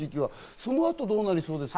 その後どうなりそうですか？